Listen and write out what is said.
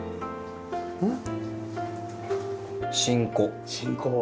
うん。